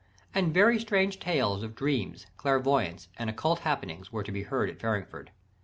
And very strange tales of dreams, clairvoyance, and occult happenings, were to be heard at Farringford.